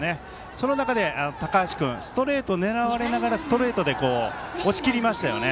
その中で、高橋君ストレートを狙われながらストレートで押し切りましたよね。